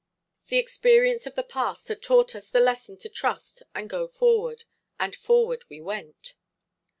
The experience of the past had taught us the lesson to trust and go forward, and forward we went.